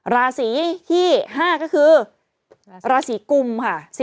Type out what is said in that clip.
ราศีที่๕ก็คือราศีกุมค่ะ